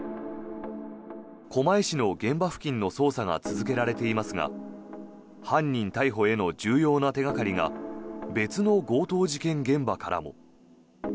狛江市の現場付近の捜査が続けられていますが犯人逮捕への重要な手掛かりが別の強盗事件現場からも。